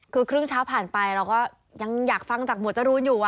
คือครึ่งเช้าผ่านไปเราก็ยังอยากฟังจากหมวดจรูนอยู่